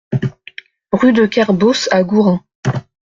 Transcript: Rue de Kerbos à Gourin